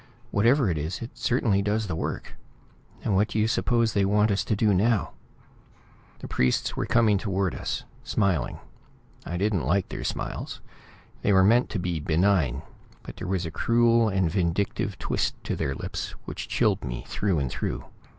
Whatever it is, it certainly does the work. And what do you suppose they want us to do now?" The three priests were coming toward us, smiling. I didn't like their smiles; they were meant to be benign, but there was a cruel and vindictive twist to their lips which chilled me through and through.